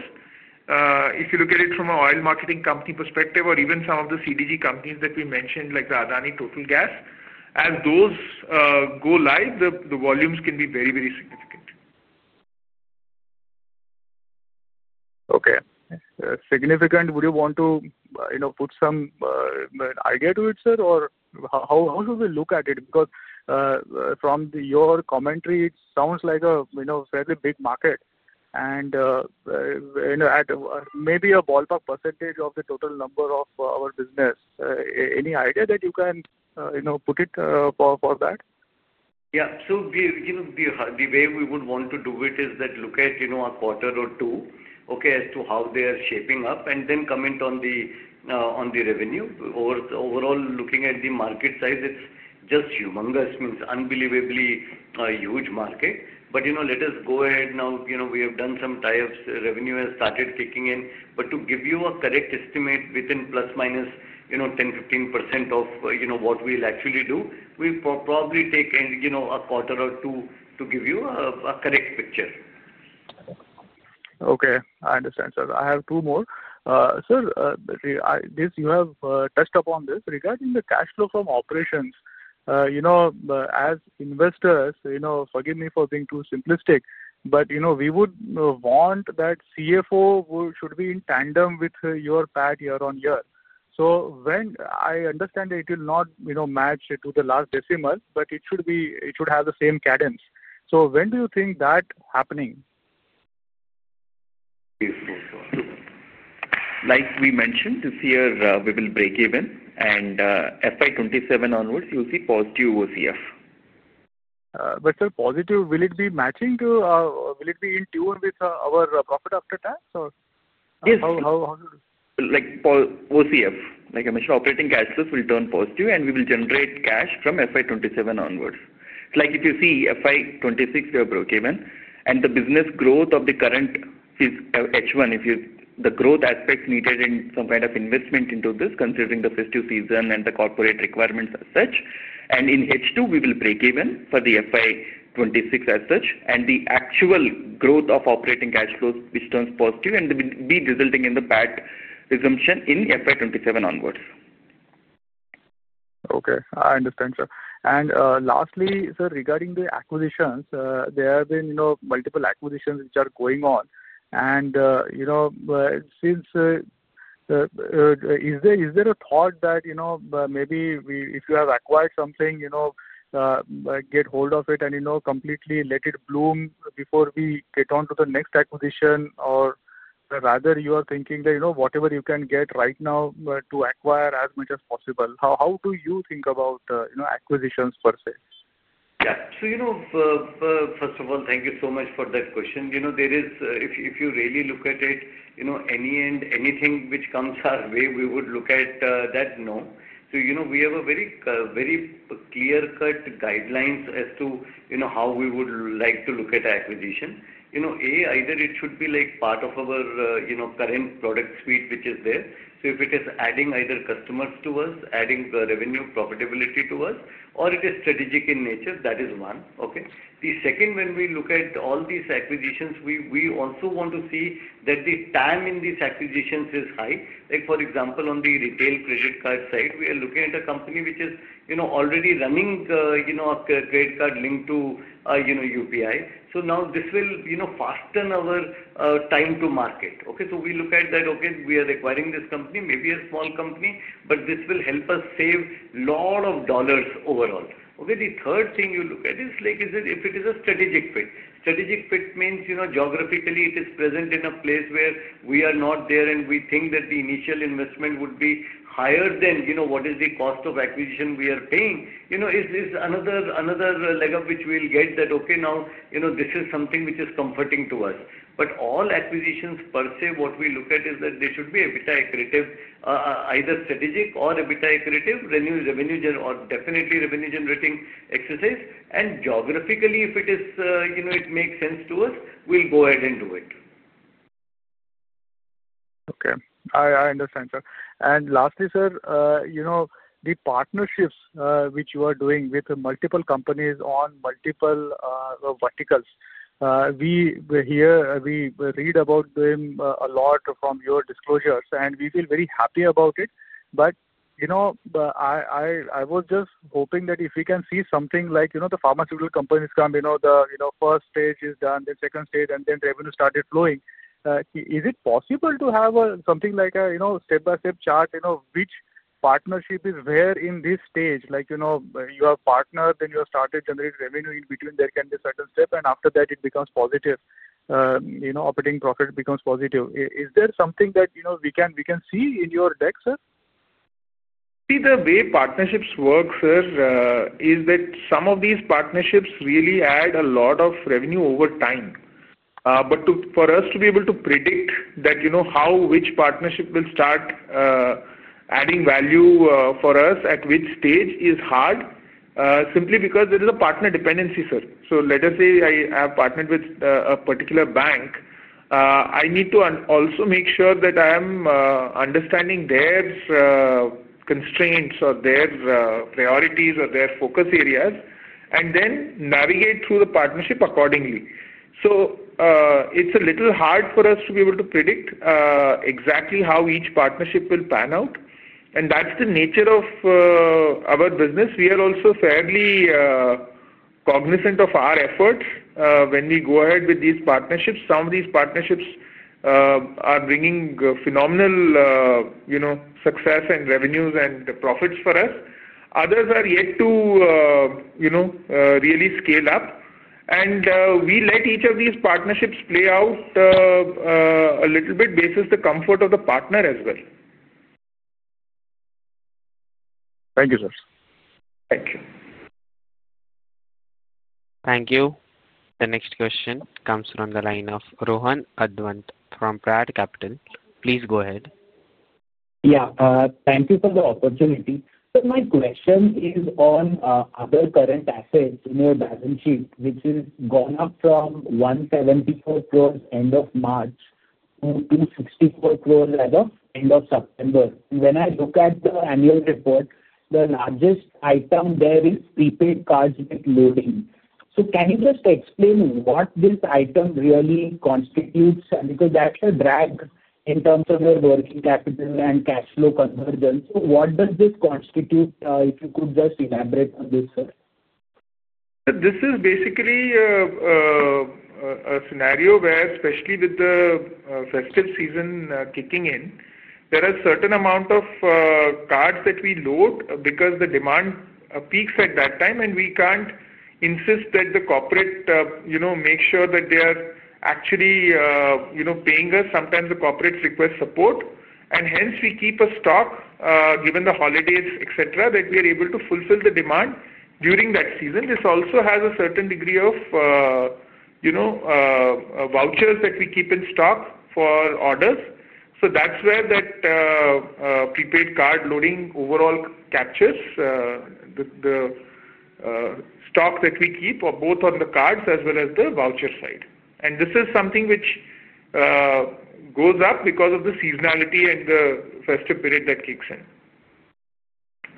If you look at it from an oil marketing company perspective or even some of the CGD companies that we mentioned, like Adani Total Gas, as those go live, the volumes can be very, very significant. Okay. Significant. Would you want to put some idea to it, sir, or how should we look at it? Because from your commentary, it sounds like a fairly big market. Maybe a ballpark percentage of the total number of our business. Any idea that you can put it for that? Yeah. The way we would want to do it is that look at a quarter or two, okay, as to how they are shaping up, and then comment on the revenue. Overall, looking at the market size, it's just humongous. It means unbelievably huge market. Let us go ahead now. We have done some tie-ups. Revenue has started kicking in. To give you a correct estimate within plus minus 10%-15% of what we'll actually do, we'll probably take a quarter or two to give you a correct picture. Okay. I understand, sir. I have two more. Sir, you have touched upon this. Regarding the cash flow from operations, as investors, forgive me for being too simplistic, but we would want that CFO should be in tandem with your PAT year-on-year. I understand it will not match to the last decimal, but it should have the same cadence. When do you think that's happening? Like we mentioned, this year, we will break even. In FY2027 onwards, you'll see positive OCF. Sir, positive, will it be matching to, will it be in tune with our profit after tax, or how? OCF, like I mentioned, operating cash flows will turn positive, and we will generate cash from FY 2027 onwards. It's like if you see FY 2026, we are broke even. The business growth of the current H1, if you see the growth aspect, needed some kind of investment into this, considering the festive season and the corporate requirements as such. In H2, we will break even for the FY 2026 as such. The actual growth of operating cash flows, which turns positive, will be resulting in the PAT resumption in FY 2027 onwards. Okay. I understand, sir. Lastly, sir, regarding the acquisitions, there have been multiple acquisitions which are going on. Since is there a thought that maybe if you have acquired something, get hold of it and completely let it bloom before we get on to the next acquisition, or rather you are thinking that whatever you can get right now to acquire as much as possible? How do you think about acquisitions per se? Yeah. First of all, thank you so much for that question. If you really look at it, anything which comes our way, we would look at that. No. We have very clear-cut guidelines as to how we would like to look at acquisition. A, either it should be part of our current product suite which is there. If it is adding either customers to us, adding revenue profitability to us, or it is strategic in nature, that is one. The second, when we look at all these acquisitions, we also want to see that the time in these acquisitions is high. For example, on the retail credit card side, we are looking at a company which is already running a credit card linked to UPI. This will fasten our time to market. We look at that. We are acquiring this company, maybe a small company, but this will help us save a lot of dollars overall. Okay. The third thing you look at is if it is a strategic fit. Strategic fit means geographically it is present in a place where we are not there, and we think that the initial investment would be higher than what is the cost of acquisition we are paying. It is another leg up which we will get that, okay, now this is something which is comforting to us. All acquisitions per se, what we look at is that they should be EBITDA accretive, either strategic or EBITDA accretive, revenue or definitely revenue-generating exercise. Geographically, if it makes sense to us, we will go ahead and do it. Okay. I understand, sir. Lastly, sir, the partnerships which you are doing with multiple companies on multiple verticals. We read about them a lot from your disclosures, and we feel very happy about it. I was just hoping that if we can see something like the pharmaceutical companies come, the first stage is done, the second stage, and then revenue started flowing. Is it possible to have something like a step-by-step chart which partnership is where in this stage? You have partners, then you have started generating revenue, in between there can be a certain step, and after that, it becomes positive. Operating profit becomes positive. Is there something that we can see in your deck, sir? See, the way partnerships work, sir, is that some of these partnerships really add a lot of revenue over time. For us to be able to predict how which partnership will start adding value for us at which stage is hard simply because there is a partner dependency, sir. Let us say I have partnered with a particular bank. I need to also make sure that I am understanding their constraints or their priorities or their focus areas and then navigate through the partnership accordingly. It is a little hard for us to be able to predict exactly how each partnership will pan out. That is the nature of our business. We are also fairly cognizant of our efforts when we go ahead with these partnerships. Some of these partnerships are bringing phenomenal success and revenues and profits for us. Others are yet to really scale up. We let each of these partnerships play out a little bit basis the comfort of the partner as well. Thank you, sir. Thank you. Thank you. The next question comes from the line of Rohan Advant from Prad Capital. Please go ahead. Yeah. Thank you for the opportunity. My question is on other current assets in your balance sheet, which has gone up from 174 crore end of March to 264 crore as of end of September. When I look at the annual report, the largest item there is prepaid cards with loading. Can you just explain what this item really constitutes? Because that is a drag in terms of your working capital and cash flow convergence. What does this constitute? If you could just elaborate on this, sir. This is basically a scenario where, especially with the festive season kicking in, there are a certain amount of cards that we load because the demand peaks at that time, and we cannot insist that the corporate make sure that they are actually paying us. Sometimes the corporate requests support, and hence we keep a stock given the holidays, etc., that we are able to fulfill the demand during that season. This also has a certain degree of vouchers that we keep in stock for orders. That is where that prepaid card loading overall captures the stock that we keep both on the cards as well as the voucher side. This is something which goes up because of the seasonality and the festive period that kicks in.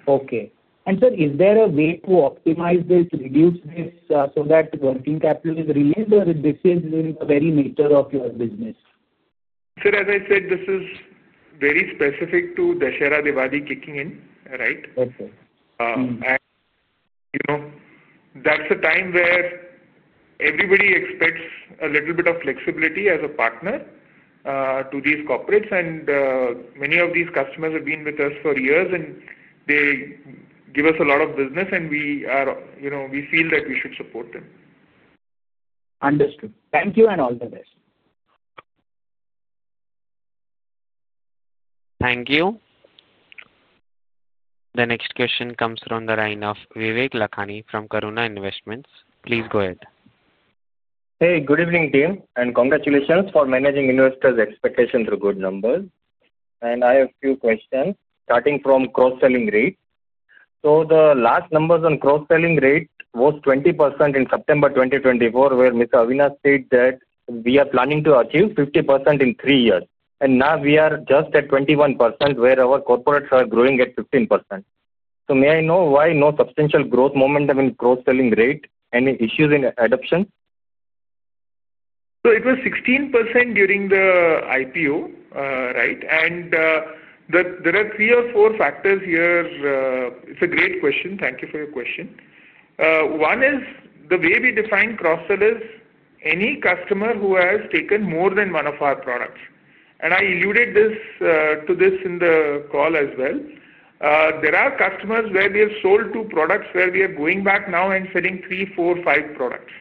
Okay. Sir, is there a way to optimize this to reduce this so that working capital is released, or this is in the very nature of your business? Sir, as I said, this is very specific to Dusshera event kicking in, right? That is a time where everybody expects a little bit of flexibility as a partner to these corporates. Many of these customers have been with us for years, and they give us a lot of business, and we feel that we should support them. Understood. Thank you and all the best. Thank you. The next question comes from the line of Vivek Lakhani from Karuna Investments. Please go ahead. Hey, good evening, team. Congratulations for managing investors' expectations through good numbers. I have a few questions starting from cross-selling rate. The last numbers on cross-selling rate was 20% in September 2024, where Mr. Avinash said that we are planning to achieve 50% in three years. Now we are just at 21%, where our corporates are growing at 15%. May I know why no substantial growth momentum in cross-selling rate? Any issues in adoption? It was 16% during the IPO, right? There are three or four factors here. It's a great question. Thank you for your question. One is the way we define cross-sellers, any customer who has taken more than one of our products. I alluded to this in the call as well. There are customers where we have sold two products where we are going back now and selling three, four, five products,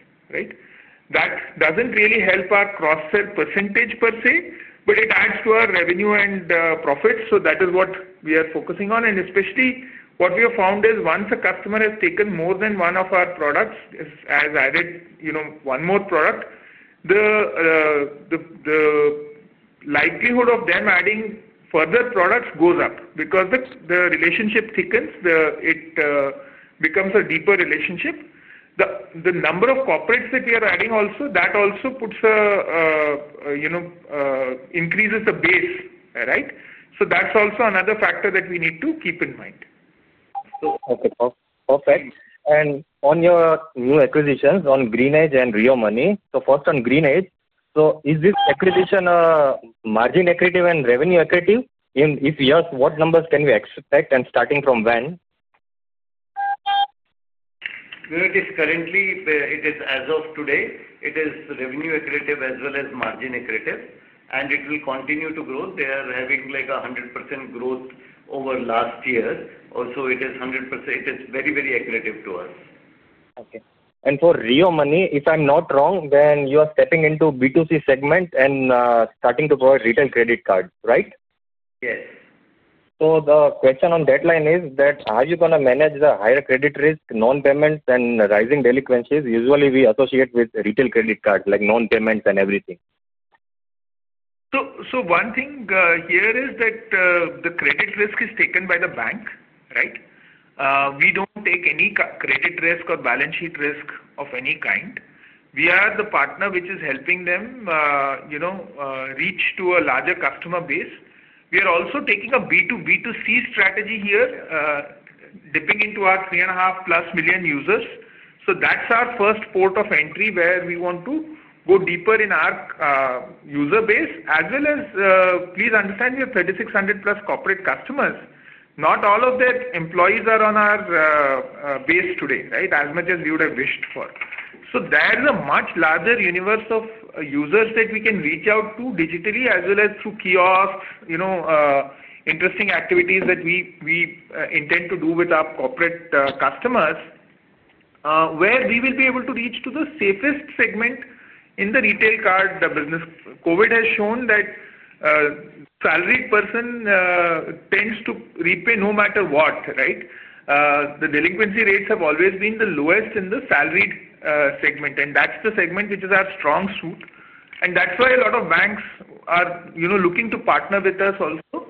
right? That doesn't really help our cross-sell percentage per se, but it adds to our revenue and profits. That is what we are focusing on. Especially what we have found is once a customer has taken more than one of our products, has added one more product, the likelihood of them adding further products goes up because the relationship thickens. It becomes a deeper relationship. The number of corporates that we are adding also, that also increases the base, right? That is also another factor that we need to keep in mind. Okay. Perfect. On your new acquisitions on Greenedge and Rio Money, first on Greenedge, is this acquisition margin equity and revenue equity? If yes, what numbers can we expect and starting from when? It is currently, as of today, it is revenue equity as well as margin equity, and it will continue to grow. They are having like 100% growth over last year. It is 100%. It is very, very accretive to us. Okay. For Rio Money, if I'm not wrong, then you are stepping into B2C segment and starting to provide retail credit cards, right? Yes. The question on deadline is that how are you going to manage the higher credit risk, non-payments, and rising delinquencies? Usually, we associate with retail credit cards, like non-payments and everything. One thing here is that the credit risk is taken by the bank, right? We do not take any credit risk or balance sheet risk of any kind. We are the partner which is helping them reach to a larger customer base. We are also taking a B2B to C strategy here, dipping into our three and a half plus million users. That is our first port of entry where we want to go deeper in our user base. As well as, please understand, we have 3,600 plus corporate customers. Not all of their employees are on our base today, right, as much as we would have wished for. There is a much larger universe of users that we can reach out to digitally as well as through kiosks, interesting activities that we intend to do with our corporate customers where we will be able to reach to the safest segment in the retail card business. COVID has shown that a salaried person tends to repay no matter what, right? The delinquency rates have always been the lowest in the salaried segment, and that's the segment which is our strong suit. That is why a lot of banks are looking to partner with us also.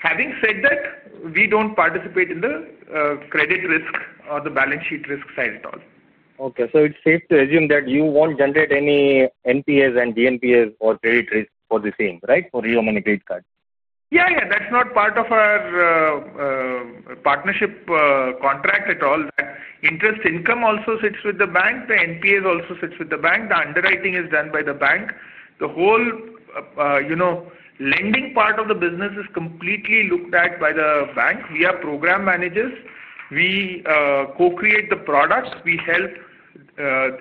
Having said that, we do not participate in the credit risk or the balance sheet risk side at all. Okay. So it's safe to assume that you won't generate any NPS and GNPS or credit risk for the same, right, for Rio Money credit card? Yeah, yeah. That's not part of our partnership contract at all. That interest income also sits with the bank. The NPS also sits with the bank. The underwriting is done by the bank. The whole lending part of the business is completely looked at by the bank. We are program managers. We co-create the products. We help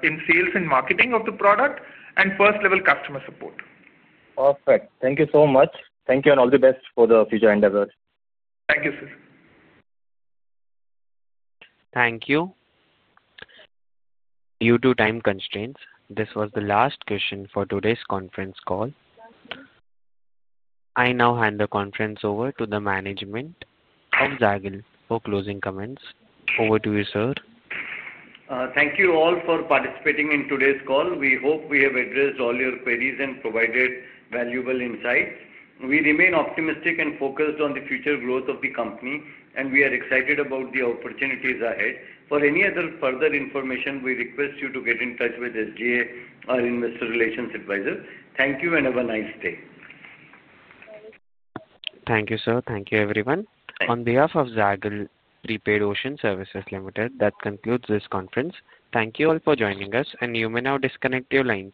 in sales and marketing of the product and first-level customer support. Perfect. Thank you so much. Thank you and all the best for the future endeavors. Thank you, sir. Thank you. Due to time constraints, this was the last question for today's conference call. I now hand the conference over to the management of Zaggle for closing comments. Over to you, sir. Thank you all for participating in today's call. We hope we have addressed all your queries and provided valuable insights. We remain optimistic and focused on the future growth of the company, and we are excited about the opportunities ahead. For any other further information, we request you to get in touch with SGA or investor relations advisor. Thank you and have a nice day. Thank you, sir. Thank you, everyone. On behalf of Zaggle Prepaid Ocean Services Limited, that concludes this conference. Thank you all for joining us, and you may now disconnect your lines.